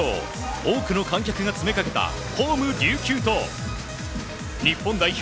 多くの観客が詰めかけたホーム、琉球と日本代表